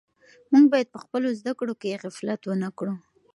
موږ باید په خپلو زده کړو کې غفلت ونه کړو.